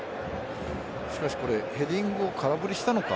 しかし、これヘディングを空振りしたのか。